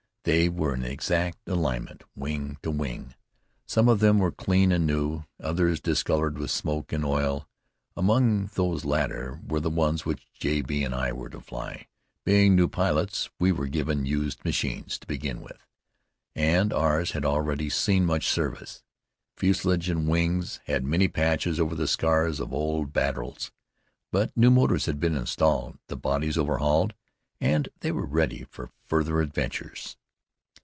They were in exact alignment, wing to wing. Some of them were clean and new, others discolored with smoke and oil; among these latter were the ones which J. B. and I were to fly. Being new pilots we were given used machines to begin with, and ours had already seen much service. Fuselage and wings had many patches over the scars of old battles, but new motors had been installed, the bodies overhauled, and they were ready for further adventures.